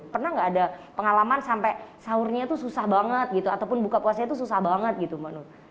pernah nggak ada pengalaman sampai sahurnya tuh susah banget gitu ataupun buka puasa itu susah banget gitu mbak nur